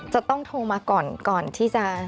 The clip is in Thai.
จะต้องโทรมาก่อนก่อนที่จะ